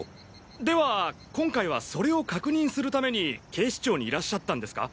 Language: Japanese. では今回はそれを確認するために警視庁にいらっしゃったんですか？